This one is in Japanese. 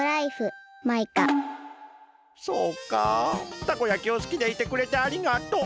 そうかたこ焼きをすきでいてくれてありがとう。